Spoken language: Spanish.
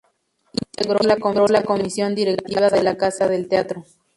Integró la comisión directiva de la Casa del Teatro.